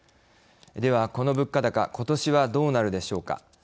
では、この物価高ことしは、どうなるでしょうか。